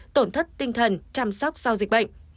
tổn thất tinh thần chăm sóc sau dịch bệnh